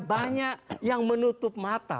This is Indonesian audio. banyak yang menutup mata